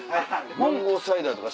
マンゴーサイダーとか